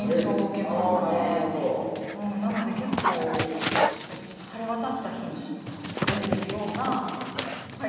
なので結構晴れ渡った日に食べているような爽快さを私は。